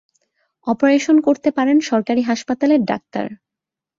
Operation করতে পারেন সরকারি হাসপাতালের ডাক্তার।